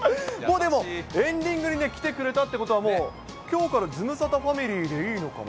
でも、エンディングに来てくれたってことはもう、もうきょうからズムサタファミリーでいいのかな？